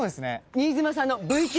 新妻さんの。